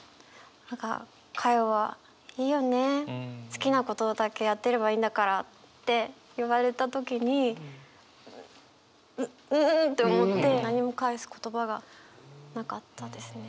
好きなことだけやってればいいんだから」って言われた時にうっんんって思って何も返す言葉がなかったですね。